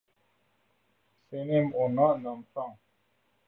Senem oňa ynansaň...